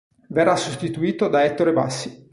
Verrà sostituito da Ettore Bassi.